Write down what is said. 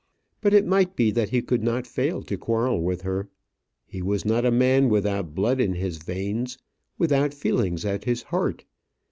But it might be that he could not fail to quarrel with her. He was not a man without blood in his veins without feelings at his heart.